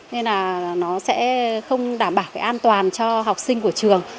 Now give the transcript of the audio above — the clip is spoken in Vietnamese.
nên là nó sẽ không đảm bảo cái an toàn cho học sinh của trường